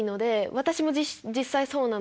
私も実際そうなので。